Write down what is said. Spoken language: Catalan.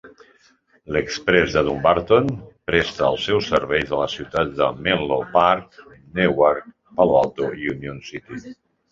L'Exprés de Dumbarton presta els seus serveis a les ciutats de Menlo Park, Newark, Palo Alto i Union City.